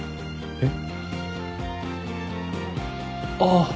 えっ？